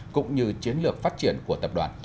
cũng như chiến lược phát triển của tập đoàn